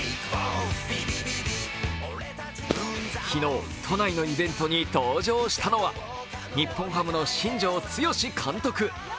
昨日都内のイベントに登場したのは日本ハムの新庄剛志監督。